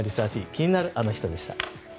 気になるアノ人でした。